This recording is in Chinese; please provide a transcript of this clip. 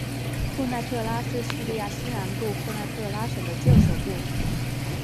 库奈特拉是叙利亚西南部库奈特拉省的旧首都。